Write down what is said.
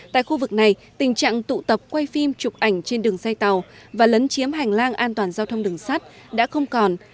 tại khu vực này tình trạng tụ tập quay phim chụp ảnh trên đường dây tàu và lấn chiếm hành lang an toàn giao thông đường sắt đã không còn